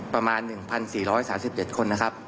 ประมาณ๑๔๓๗คนนะครับ